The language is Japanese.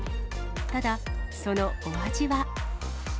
ただ、そのお味は。